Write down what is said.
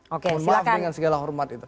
mohon maaf dengan segala hormat itu